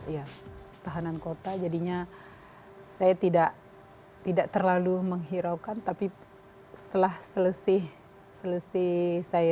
ya tahanan kota jadinya saya tidak tidak terlalu menghiraukan tapi setelah selesai selesai saya